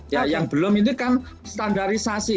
ya yang belum ini kan standarisasi